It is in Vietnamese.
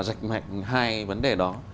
rạch mạnh hai vấn đề đó